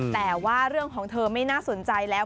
แต่ว่าเรื่องของเธอไม่น่าสนใจแล้ว